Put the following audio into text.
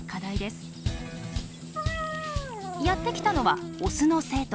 やって来たのはオスの生徒。